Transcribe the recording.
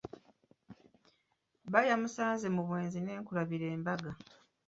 Bba yamusanze mu bwenzi ne nkulabira embaga.